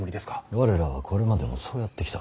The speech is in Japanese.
我らはこれまでもそうやってきた。